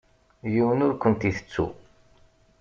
Yiwen ur kent-itettu.